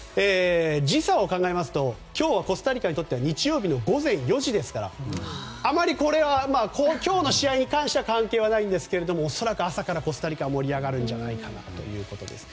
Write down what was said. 時差を考えますと今日コスタリカにとっては日曜日の午前４時ですからあまりこれは今日の試合に関しては関係ないんですが恐らく朝からコスタリカは盛り上がるんじゃないかということです。